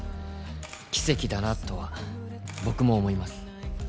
奇跡だなとは僕も思います